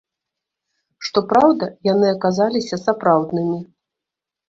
Што праўда, яны аказаліся сапраўднымі.